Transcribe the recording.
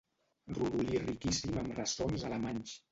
Rodolí riquíssim amb ressons alemanys.